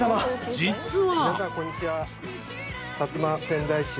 ［実は］